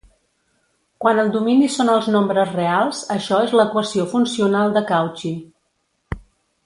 Quan el domini són els nombres reals, això és l'equació funcional de Cauchy.